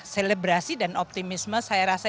selebrasi dan optimisme saya rasa